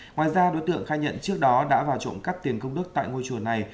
ngoài ra đối tượng khai nhận trước đó đã vào trộm cắp tiền công đức tại ngôi chùa này